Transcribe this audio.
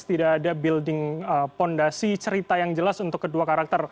tidak ada building fondasi cerita yang jelas untuk kedua karakter